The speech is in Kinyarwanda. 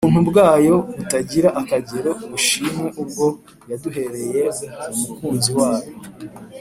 ‘‘Ubuntu bwayo butagira akagero bushimwe ubwo yaduhereye mu Mukunzi wayo.